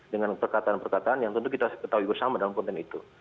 dengan perkataan perkataan yang tentu kita ketahui bersama dalam konten itu